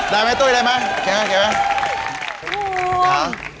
ได้มั้ยตุ๊ยได้มั้ยเห็นไหม